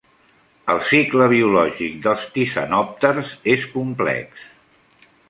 El cicle biològic dels tisanòpters és complex.